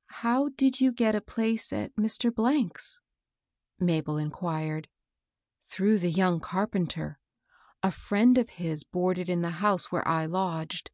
'* "How did you get a place at Mr. ^'s? Mabel inquired. " Through the young carpenter. A friend of his boarded in the house where I lodged.